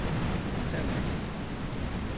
D tameddit.